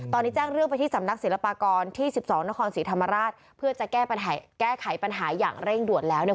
ตอนนี้แจ้งเรื่องไปที่สำนักศิลปากรที่๑๒นครศรีธรรมราชเพื่อจะแก้ไขปัญหาอย่างเร่งด่วนแล้วเนี่ย